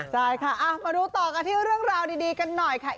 จั๊ยค่ะอะมาดูต่อการเที่ยวเรื่องราวดีกันหน่อยค่ะ